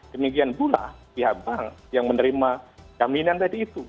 demikian pula pihak bank yang menerima jaminan tadi itu